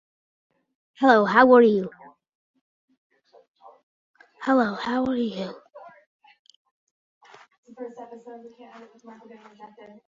ᱩᱱᱤᱭᱟᱜ ᱧᱩᱛᱩᱢ ᱫᱚ ᱠᱤᱣᱮᱨᱥᱴᱤᱱ ᱠᱟᱱᱟ᱾